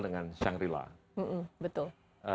dengan shangri la betul